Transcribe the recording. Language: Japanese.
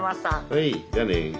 はいじゃあね。